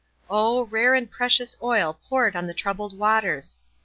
Oh, rare and precious oil poured on the trou bled waters